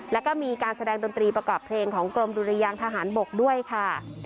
แล้วก็มีการแสดงดนตรีประกอบเพลงของกรมดุรยางทหารบกด้วยค่ะ